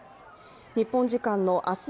日本時間の明日